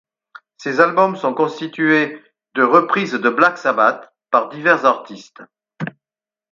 Ces albums sont constitués de reprise de Black Sabbath par divers artistes.